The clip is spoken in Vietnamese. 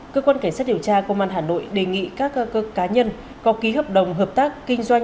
cơ quan cảnh sát điều tra công an hà nội đề nghị các cá nhân có ký hợp đồng hợp tác kinh doanh